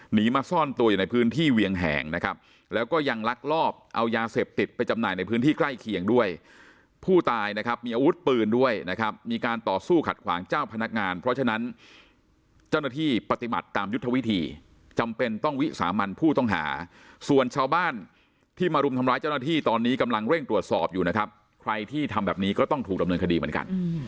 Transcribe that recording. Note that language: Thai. หนีมาซ่อนตัวอยู่ในพื้นที่เวียงแหงนะครับแล้วก็ยังลักลอบเอายาเสพติดไปจำหน่ายในพื้นที่ใกล้เคียงด้วยผู้ตายนะครับมีอาวุธปืนด้วยนะครับมีการต่อสู้ขัดขวางเจ้าพนักงานเพราะฉะนั้นเจ้าหน้าที่ปฏิบัติตามยุทธวิธีจำเป็นต้องวิสามารถผู้ต้องหาส่วนชาวบ้านที่มารุมทำร้ายเจ้าหน้า